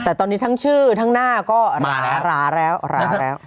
แต่ตอนนี้ทั้งชื่อทั้งหน้าก็หราแล้วหราแล้ว